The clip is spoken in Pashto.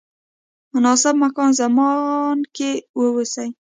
مناسب مکان زمان کې واوسئ.